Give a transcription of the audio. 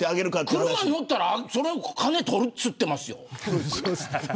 車乗ったら金取るって言ってますよ。